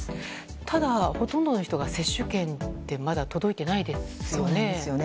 ただ、ほとんどの人が接種券ってそうなんですよね。